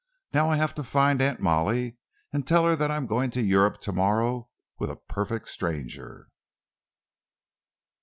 "Now I have to find Aunt Molly and tell her that I am going to Europe to morrow with a perfect stranger!"